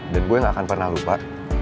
dan gue gak akan pernah lupa